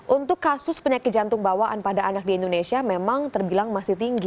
untuk kasus penyakit jantung bawaan pada anak di indonesia memang terbilang masih tinggi